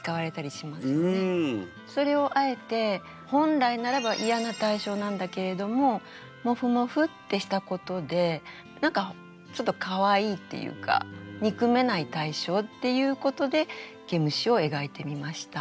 それをあえて本来ならばイヤな対象なんだけれども「もふもふ」ってしたことで何かちょっとかわいいっていうか憎めない対象っていうことで「毛虫」を描いてみました。